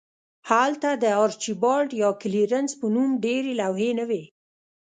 هلته د آرچیبالډ یا کلیرنس په نوم ډیرې لوحې نه وې